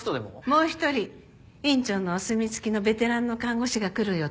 もう一人院長のお墨付きのベテランの看護師が来る予定です。